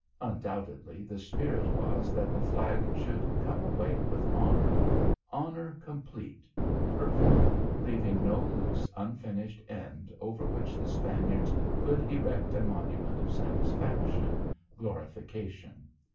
Undoubtedly, the spirit was that the flag should come away with honour, honour complete, perfect, leaving no loose unfinished end over which the Spaniards could erect a monument of satisfaction, glorification.